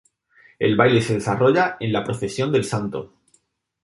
El baile se desarrolla en la procesión del santo.